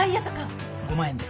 ５万円で。